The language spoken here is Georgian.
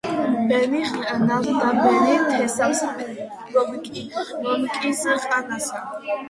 ბედი ხნავს და ბედი თესავს, ბედი მომკის ყანასა